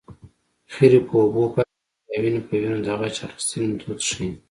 خیرې په اوبو پاکېږي او وينې په وينو د غچ اخیستنې دود ښيي